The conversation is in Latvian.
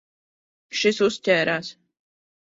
Šis uzķērās.